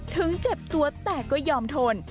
เจ็บตัวแต่ก็ยอมทน